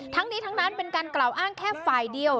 ทั้งนี้ทั้งนั้นเป็นการกล่าวอ้างแค่ฝ่ายเดียว